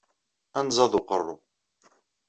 Anẓad uqerru.